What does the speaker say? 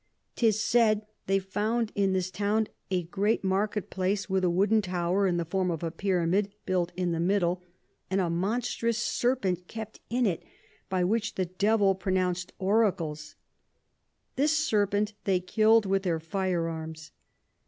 'Tis said they found in this Town a great Market place, with a wooden Tower in form of a Pyramid built in the middle, and a monstrous Serpent kept in it by which the Devil pronounc'd Oracles: this Serpent they kill'd with their Fire Arms.